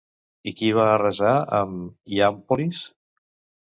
I qui va arrasar amb Hiàmpolis?